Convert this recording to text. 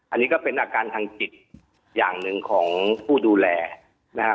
อันนี้ก็เป็นอาการทางจิตอย่างหนึ่งของผู้ดูแลนะครับ